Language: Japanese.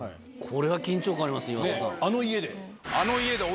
これは緊張感あります岩沢さん。